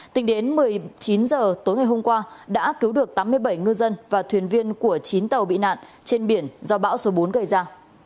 tính đến một mươi chín h tối ngày hôm qua đã cứu được tám mươi bảy ngư dân và thuyền viên của chín tàu bị nạn trên biển do bão số bốn gây ra